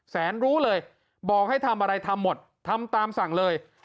แสนรู้เลยบอกให้ทำอะไรทำหมดทำตามสั่งเลย